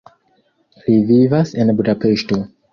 Li vivas en Budapeŝto.